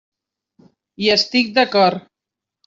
Hi estic d'acord.